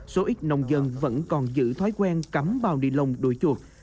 số ít nông dân vẫn còn giữ thói quen cắm bao nilon đuổi chuột